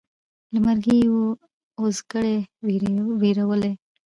له مرګي یې وو اوزګړی وېرولی